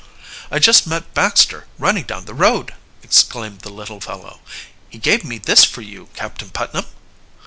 "I just met Baxter running down the road!" exclaimed the little fellow. "He gave me this for you, Captain Putnam."